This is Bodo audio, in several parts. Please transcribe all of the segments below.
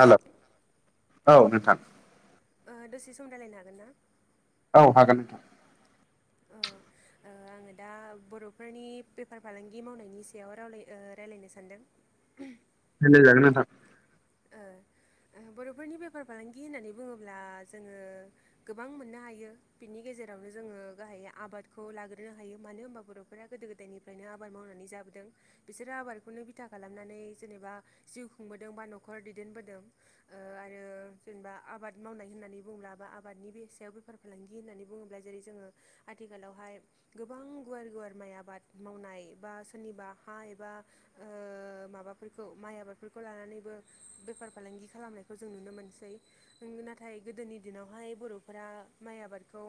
हेल' औ नोंथां ओ दसे सम रायालायनो हागोन ना? औ हागोन नोंथां। ओ ओ आङो दा बर'फोरनि बेफार फालांगि मावनायनि सायाव रावलाय ओ रायलायनो सानदों। रायलायजागोन नोंथां ओ बर'फोरनि बेफार फालांगि होननानै बुङोब्ला जोङो गोबां मोननो हायो बिनि गेजेरावनो जोङो गाहाय आबादखौ लाग्रोनो हायो मानो होनबा बर' बेफोरा गोदो गोदायनिफ्रायनो आबाद मावनानै जाबोदों। बिसोरो आबादखौनो बिथा खालामनानै जेनेबा जिउ खुंबोदों बा न'खर दैदेनबोदों। ओ आरो जेनेबा आबाद मावनाय होननानै बुंबला बा आबादनि बेसायाव बेफोर फालांगि होननानै बुङोब्ला जेरै जोङो आथिखालावहाय गोबां गुवार गुवार माइ आबाद मावनाय एा सोरनिबा हा एबा माबाफोरखौ माइ आबादफोरखौ लानानैबो बेफार फालांगि खालामनायखौ जों नुनो मोनसै नाथाय गोदोनि दिनावहाय बरफोरा माइ आबादखौ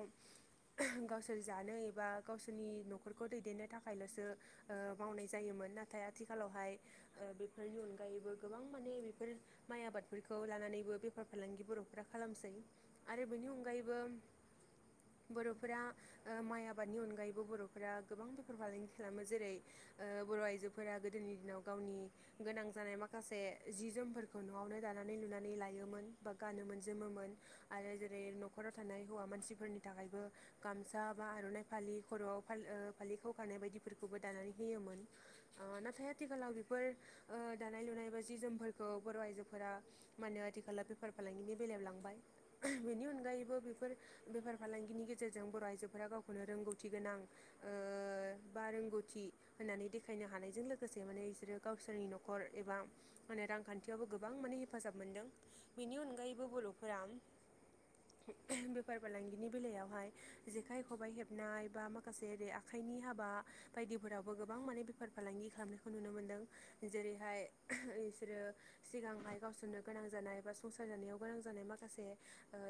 गावसोर जानो एबा गावसोरनि न'खरखौ दैदेननो थाखायल'सो ओ मावनाय जायोमोन नाथाय आथिखालावहाय ओ बेफोरनि अनगायैबो गोबां माने बेफोर माइ आबादफोरखौ लानानैबो बेफार फालांगि बर'फोरा खालामसै। आरो बेनि अनगायैबो बर'फोरा ओ माइ आबादनि अनगायैबो बर'फोरा गोबां बेफार फालांगि खालामो जेरै ओ बर' आइजोफोरा गोदोनि दिनाव गावनि गोनां जानाय माखासे जि जोमफोरखौ न'आवनो दानानै लुनानै लायोमोन बा गानोमोन जोमोमोन आरो जेरै न'खराव थानाय हौवा मानसिफोरनि थाखायबो गामसा बा आर'नाइ फालि खर'आव फालि खाव गानाय बायदिफोरखौबो दानानै होयोमोन। ओ नाथाय आथिखालाव बेफोर ओ दानाय लुनाय बा जि जोमफोर औ बर' आइजोफोरा मानो आथिखाला बेपार फालांगिनि बेलायाव लांबाय। बेनि अनगायैबो बेफोर बेफार फालांगिनि गेजेरजों बर' आइजोफोरा गावखौनो रोंगौथि गोनां ओ बा रोंगौथि होनानै देखायनो हानायजों लोगोसे माने इसोरो गावसोरनि न'खर एबा माने रां खान्थियावबो गोबां माने हेफाजाब मोन्दों बेनि अनगायैबो बर'फोरा बेफार फालांगिनि बेलायावहाय जेखाइ खबाइ हेबनाय बा माखासे ओरै आखाइनि हाबा बायदिफोरावबो गोबां माने बेफार फालांगि खालामनायखौ नुनो मोन्दों जेरैहाय बिसोरो सिगांहाय गावसोरनो गोनां जानाय बा संसार जानायाव गोनां जानाय माखासे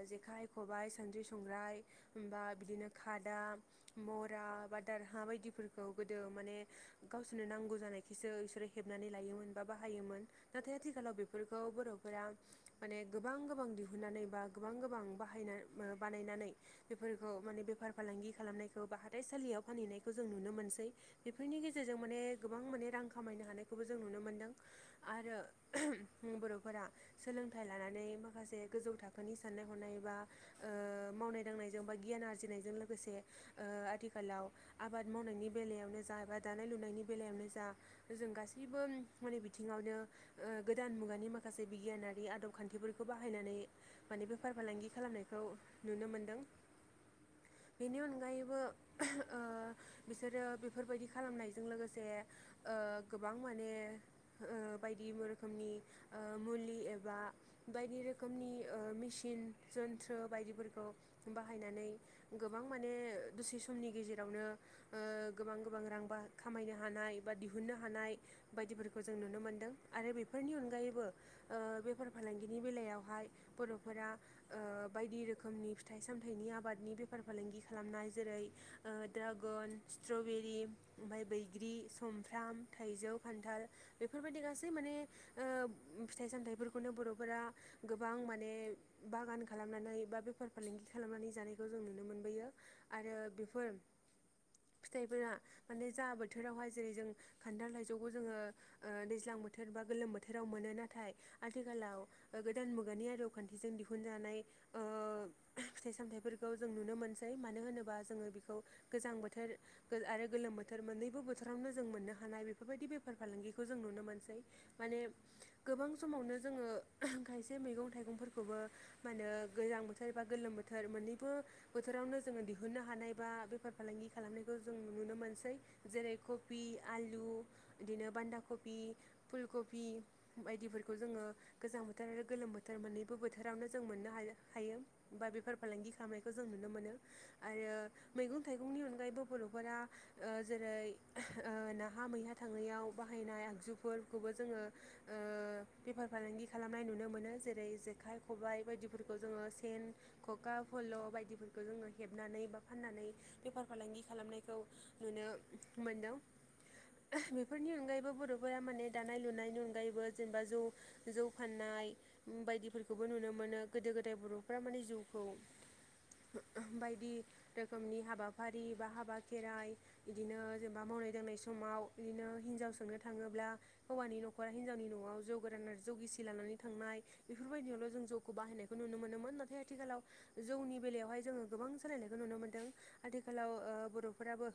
जेखाय खबाइ सानद्रि संग्राय होमबा बिदिनो खादा मरा बा दारहा बायदिफोरखौ गोदो माने गावसोरनो नांगौ जानाय खिसो इसोरो हेबनानै लायोमोन बा बाहायोमोन। नाथाय आथिखालाव बेफोरखौ बर'फोरा माने गोबां गोबां दिहुननानै बा गोबां गोबां बाहायनो मो बानायनानै बेफोरखौ माने बेफार फालांगि खालामनायखौ बा हाथाइसालियाव फानहैनायखौ जों नुनो मोनसै। बेफोरनि गेजेरजों माने गोबां माने रां खामायनो हानायखौबो जों नुनो मोन्दों। आरो ओम बर'फोरा सोलोंथाइ लानानै माखासे गोजौ थाखोनि साननाय हनाय बा ओ मावनाय दांनायजों बा गियान आरजिनायजों लोगोसे ओ आथिखालाव आबाद मावनायनि बेलायावनो जा एबा दानाय लुनायनि बेलायावनो जा जों गासैबो माने बिथिङावनो ओ गोदान मुगानि माखासे बिगियानारि आदब खान्थि फोरखौ बाहायनानै माने बेफार फालांगि खालामनायखौ नुनो मोनदों बेनि अनगायैबो [unintelligible] बिसोरो बेफोरबायदि खालामनायजों लोगोसे ओ गोबां माने ओ बाय दि रोखोमनि मुलि एबा बायदि रोखोमनि ओ मेचिन जन्थ्र बायदि फोरखौ बाहायनानै गोबां माने दसे समनि गेजेरावनो ओ गोबां गोबां रां बा खामायनो हानाय बा दिहुननो हानाय बायदिफोरखौ जों नुनो मोनदों आरो बेफोरनि अनगायैबो ओ बेफार फालांगिनि बेलायावहाय बर'फोरा ओ बायदि रोखोमनि फिथाइ सामथाइनि आबादनि बेफार फालांगि खालामनाय जेरै ओ ड्रागन स्ट्रबेरि ओमफाय बैग्रि समफ्राम थाइजौ खान्थाल। बेफोरबायदि गासै माने ओ फिथाइ सामथाइ फोरखौनो बर'फोरा गोबां माने बागान खालामनानै बा बेफार फालांगि खालामनानै जानायखौ जों नुनो मोनबोयो। आरो बेफोर फिथाइफोरा माने जा बोथोराव हाय जेरै जों खान्थाल लाइजौखौ जोङो ओ दैज्लां बोथ थोर बा गोलोम बोथोराव मोनो नाथाय आथिखालाव ओ गोदान मुगानि आदब खान्थिजों दिहुनजानाय ओ फिथाइ सामथाइ फोरखौ जों नुनो मोनसै मानो होनोबा जोङो बेखौ गोजां बोथोर ओ आरो गोलोम बोथोर मोननैबो बोथोरावनो जों मोननो हानाय बेफोरबायदि बेफार फालांगिखौ जों नुनो मोनसै। माने गोबां समावनो जोङो [unintelligible] खायसे मैगं थाइगं फोरखौबो मा होनो गोजां बोथोर बा गोलोम बोथोर मोननैबो बोथोरावनो जोङो दिहुननो हानाय बा बेफार फालांगि खालामनायखौ जों नुनो मोनसै। जेरै कबि आलु बिदिनो बान्दा कबि फुल कबि बायदि फोरखौ जोङो गोजां बोथोर आरो गोलोम बोथोर मोननैबो बोथोरावनो जों मोननो हा हायो। बा बेफार फालांगि खालामनायखौ जों नुनो मोनो आरो मैगं थाइगंनि अनगायैबो बर'फोरा ओ जेरै ओ नाहा मैहा थांनायाव बाहायनाय आगजुफोर खौबो जोङो ओ बेफार फालांगि खालामनाय नुनो मोनो जेरै जेखाइ खबाइ बायदि फोरखौ जोङो सेन खखा फल' बायदिवफोरखौ जोङो हेबनानै बा फाननानै बेफार फालांगि खालामनायखौ नुनो मोनदों ओ बेफोरनि अनगायैबो बर'फोरा माने दानाय लुनायनि अनगायैबो जेनेबा जौ जौ फाननाय बायदि फोरखौबो नुनो मोनो गोदो गोदाय बर'फ्रा माने जौ खौ बायदि रोखोमनि हाबाफारि बा हाबा खेराइ बिदिनो जेनेबा मावनाय दांनाय समाव बिदिनो हिनजाव सोंनो थाङोब्ला हौवानि न'खरा हिनजावनि न'आव जौ गोरान आरो जौ गिसि लानानै थांनाय बेफोर बायदियावल' जों जौखौ बाहायनायखौ नुनो मोनोमोन नाथाय आथिखालाव जौनि बेलायावहाय जोङो गोबां सोलायनायखौ नुनो मोन्दों आथिखालाव ओ बर'फोराबो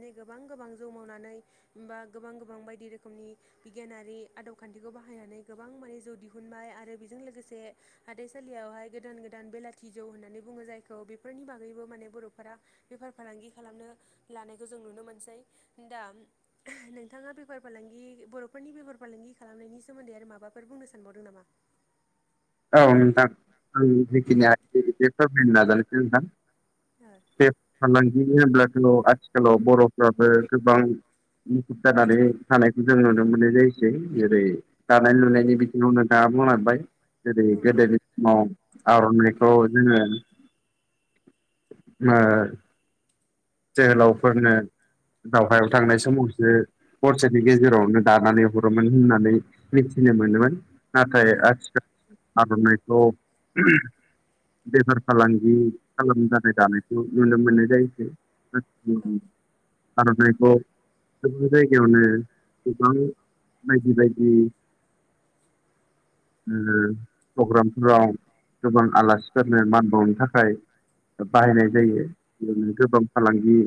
नै गोबां गोबां जौ मावनानै बा गोबां गोबां बायदि रोखोमनि बिगियानारि आदब खान्थिखौ बाहायनानै गोबां माने जौ दिहुनबाय आरो बेजों लोगोसे हाथाइ सालियावहाय गोदान गोदान बेलाथि जौ होननानै बुङो जायखौ बेफोरनि बागैबो माने बर'फोरा बेफार फालांगि खालामनो लानायखौ जों नुनो मोनसै दा [unintelligible] नोंथाङा बेफार फालांगि बर' फोरनि बेफार फालांगि खालामनायनि सोमोन्दै माबाफोर बुंनो सानबावदों नामा? औ नोंथां आं उम जेखिनिया [inaudible] नाजानोसै नोंथां। औ। बेप फालांगि होनब्लाथ' आथिखालाव बर'फ्राबो गोबां मुखुब जानानै थानायखौ जों नुनो मोननाय जायोसै जेरै दानाय लुनायनि बिथिङाव नों दाबुंलांबाय जेरै औ गोदोनि समाव आर'नाइखौ जोङो ओ जोहोलावफोरनो दावहायाव थांनाय समावसो हरसेनि गेजेरावनो दानानै हरोमोन होननानै मिथिनो मोनोमोन नाथाय औ आथिखाल आर'नायखौ बेफार फालांगि खालामनोथाखाय दानायखौ नुनो मोननाय जायोसोय औ आरनायखौ गोबां जायगायावनो गोबां बायदि बायदि [inaudible] ओ प्रग्रामफोराव गोबां आलासिफोरनो मान बावनो थाखाय बाहायनाय जायो बेयावनो गोबां फालांगि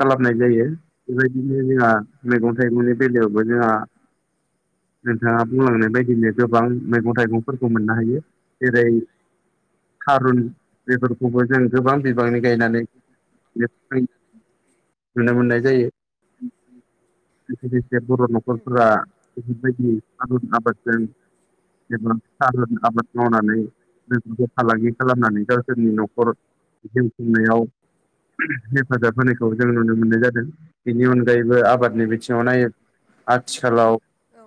खालामनाय जायो बेबायदिनो जोंहा मैगं थाइगंनि बेलायावबो जोंहा नोंथाङा बुंलांनाय बायदिनो गोबां मैगं थाइगंफोरखौ मोननो हायो जेरै उम थारुन बेफोरखौबो जों गोबां बिबांनि गायनानै बे [unintelligible] नुनो मोननाय जायो बेसे बेसे बर' उम न'खरफोरा बेफोरबायदि आलु आबादजों जबा साहा [unintelligible] आबाद मावनानै बेफोरखौ फालांगि खालामनानै गावसोरनि न'खर जिउ खुंनायाव हेफाजाब होनायखौ जों नुनो मोननाय जादों बिनि अनगायैबो आबादनि बिथिङाव नायो आथिखालाव औ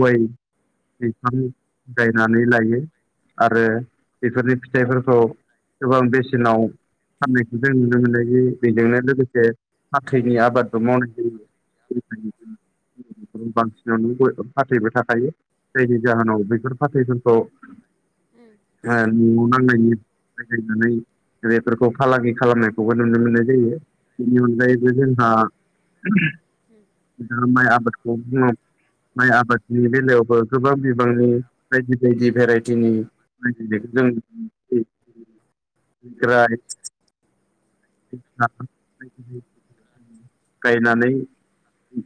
गय बिफां गयनानै लायो आरो बेफोरनि फिथाइफोरखौ गोबां बेसेनाव फाननायखौ जों नुनो मोननाय बेजोंनो लोगोसे फाथैनि आबादबो मावनाय जायो बांसिनानो [unintelligible] फाथैबो थाखायो जायनि जाहोनाव बेैफोर फाथैफोरखौ ओम [unintelligible] न'आव नांनायनि जायनानै [unintelligible] बेफोरखौ फालांगि खालामनायखौबो नुनो मोननाय जायो बेनि अनगायैबो जोंहा [unintelligible] ओम [unintelligible] आबादखौ बुङो माइ आबादनि बेलायावबो गोबां बिबांनि बायदि बायदि भेराइदिनि आ [unintelligible] [unintelligible] गायनानै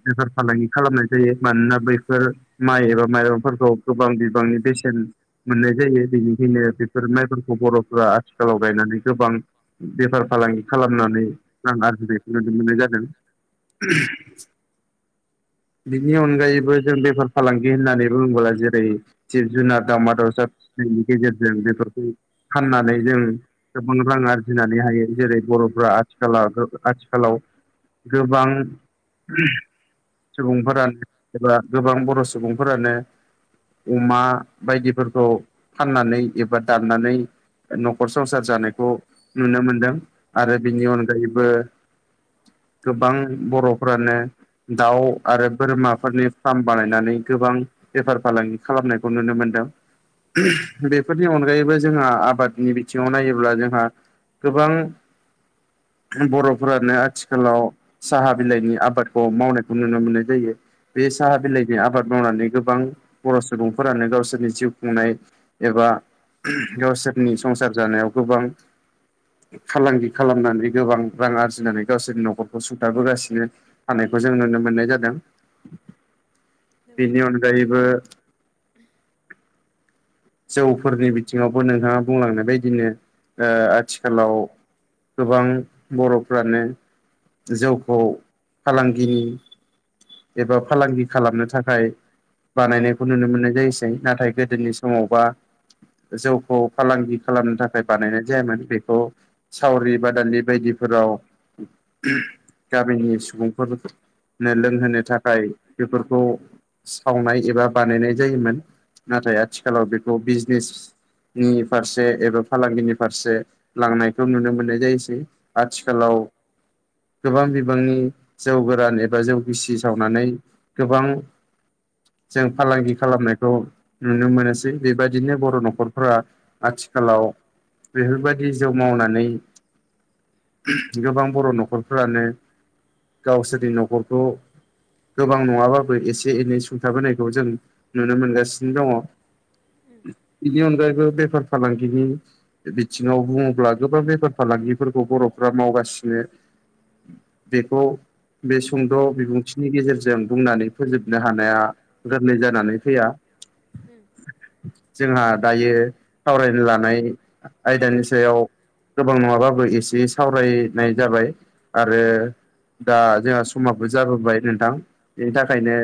बेफार फालांगि खालामनाय जायो मानोना बै बेफोर माइ एबा माइरंफोरखौ गोबां बिबांनि बेसेन मोननाय जायो बेनिखायनो बेफोर माइफोरखौ बर'फोरा आथिखालाव गायनानै गोबां बेफार फालांगि खालामनानै रां आरजिनायखौ नुनो मोननाय जादों बिनि अनगायैबो जों बेफार फालांगि होननानै बुङोब्ला जेरै जिब जुनार दावमा दावसा फिसिनायनि गेजेरजों बेफोरखौ फाननानै जों गोबां रां आरजिनानै हायो जेरै बर'फ्रा आथिखालावबो आथिखालाव गोबां [unintelligible] सुबुंफोरानो एबा गोबां बर' सुबुंफोरानो अमा बायदिफोरखौ फाननानै एबा दाननानै न'खर संसार जानायखौ नुनो मोनदों आरो औ बिनि अनगायैबो गोबां बर'फ्रानो दाउ आरो बोरमाफोरनि फार्म बानायनानै गोबां बेफार फालांगि खालामनायखौ नुनो मोनदों [unintelligible] बेफोरनि अनगायैबो जोंहा आबादनि बिथिङाव नायोब्ला जोंहा गोबां बर'फोरानो आथिखालाव साहा बिलाइनि आबादखौ मावनायखौ नु नो मोननाय जायो बे साहा बिलाइनि आबाद मावनानै गोबां बर' सुबुंफोरानो गावसोरनि जिउ खुंनाय एबा गावसोरनि संसार जानायाव गोबां फालांगि खालामनानै गोबां रां आरजिनानै गावसोरनि न'खरखौ सुथाबाबोगासिनो थानायखौ जों नुनो मोननाय जादों नंगौ बेनि अनगायैबो जौफोरनि बिथिङावबो नोंथाङा बुंलांनाय बायदिनो ओ आथिखालाव गोबां बर'फ्रानो जौखौ फालांगिनि एबा फालांगि खालामनो थाखाय बानायनायखौ नुनो मोननाय जायोसै नाथाय गोदोनि समाव समावबा जौखौ फालांगि खालामनो थाखाय बानायनाय जायामोन बेखौ सावरि बादालि बायदिफोराव [unintelligible] गामिनि सुबुंफोर लोंहोनो थाखाय बेफोरखौ सावनाय एबा बानायनाय जायोमोन नाथाय आथिखालाव बेखौ बिजनेस नि फारसे एबा फालांगिनि फारसे लांनायखौ नुनो मोननाय जायोसै उम आथिखालाव गोबां बिबांनि जौ गोरान एबा जौ गिसि सावनानै गोबां जों फालांगि खालामनायखौ नुनो मोनो नोसै बेबायदिनो बर' न'खरफोरा आथिखालाव बेफोरबायदि जौ मावनानै गोबां बर' न'खरफ्रानो गावसोरनि न'खरखौ गोबां नङाबाबो एसे एनै सुंथाबोनायखौ जों नुनो मोनगासिनो दङ उम बेनि अनगायैबो बेफार फालांगिनि बिथिङाव बुङोब्ला गोबां बेफार फालांगिफोरखौ बर'फ्रा मावगासिनो बेखौ बे सुंद' बिबुंथिनि गेजेरजों बुंनानै फोजोबनो हानाया गोरलै जानानै फैया ओम। जोंहा दायो सावरायनो लानाय आयदानि सायाव गोबां नङाबाबो एसे सावरायनाय जाबाय आरो दा जोंहा समाबो जाबोबाय नोंथां बेनि औ थाखायनो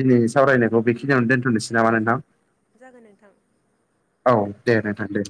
दिनै सावरायनायखौ बेखिनियावनो दोन्थ'नोसै नामा नोंथां जागोन नोंथां। औ दे नोंथां दे